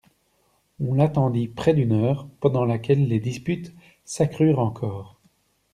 On l'attendit près d'une heure, pendant laquelle les disputes s'accrurent encore.